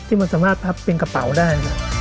มันสามารถพับเป็นกระเป๋าได้